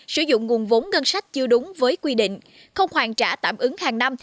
sử dụng nguồn vốn ngân sách chưa đúng với quy định không hoàn trả tạm ứng hàng năm